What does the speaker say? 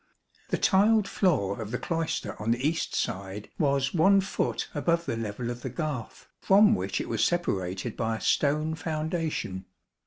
28 The tiled floor of the cloister on the east side was one foot above the level of the garth, from which it was separated by a stone foundation.